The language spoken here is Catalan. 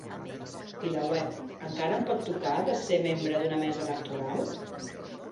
VilaWeb: Encara em pot tocar de ser membre d’una mesa electoral?